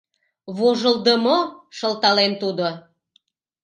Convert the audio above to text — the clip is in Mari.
«Вожылдымо!» — шылтален тудо.